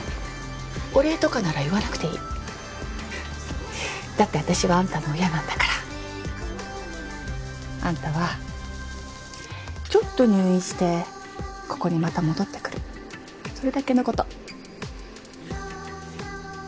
お礼とかなら言わなくていいだって私はあんたの親なんだからあんたはちょっと入院してここにまた戻ってくるそれだけのこと